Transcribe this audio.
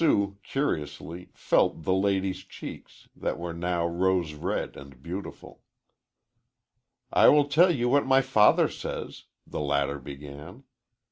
Sue, curiously, felt "the lady's" cheeks that were now rose red and beautiful. "I will tell you what my father says," the latter began.